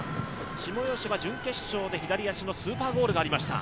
下吉は準決勝で左足のスーパーゴールがありました。